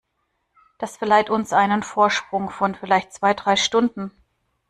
Das verleiht uns einen Vorsprung von vielleicht zwei, drei Stunden.